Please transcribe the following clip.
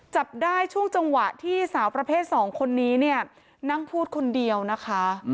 จับได้ช่วงจังหวะที่สาวประเภท๒คนนี้เนี่ยนั่งพูดคนเดียวนะคะ